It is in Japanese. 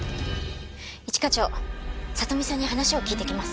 一課長里美さんに話を聞いてきます。